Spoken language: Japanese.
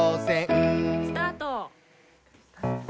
・スタート！